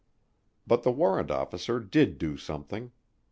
But the warrant officer did do something.